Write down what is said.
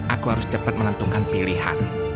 aku harus cepat menantangnya